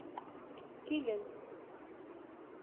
Килен.